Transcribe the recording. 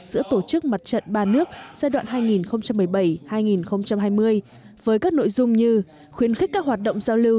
giữa tổ chức mặt trận ba nước giai đoạn hai nghìn một mươi bảy hai nghìn hai mươi với các nội dung như khuyến khích các hoạt động giao lưu